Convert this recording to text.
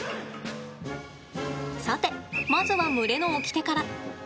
さて、まずは群れのおきてから。